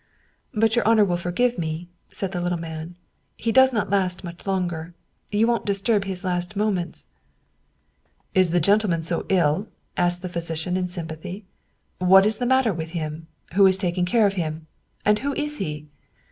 " But your honor will forgive me," said the little man. " He'll not last much longer, you wouldn't disturb his last moments "" Is the gentleman so ill? " asked the physician in sym pathy. " What is the matter with him? Who is taking care of him? And who is he?"